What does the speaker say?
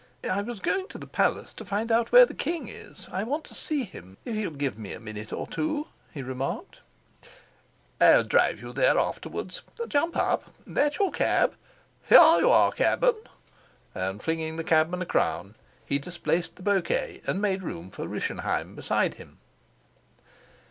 "I was going to the palace to find out where the king is. I want to see him, if he'll give me a minute or two," he remarked. "I'll drive you there afterwards. Jump up. That your cab? Here you are, cabman," and flinging the cabman a crown, he displaced the bouquet and made room for Rischenheim beside him.